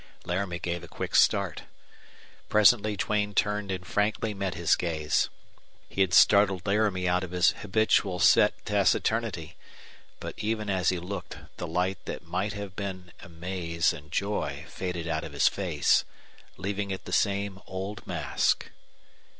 Laramie gave a quick start. Presently Duane turned and frankly met his gaze. He had startled Laramie out of his habitual set taciturnity; but even as he looked the light that might have been amaze and joy faded out of his face, leaving it the same old mask.